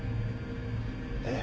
ええ。